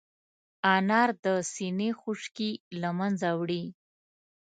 انار د سينې خشکي له منځه وړي.